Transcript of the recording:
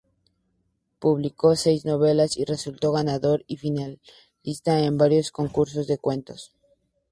Publicó seis novelas y resultó ganador y finalista en varios concursos de cuentos.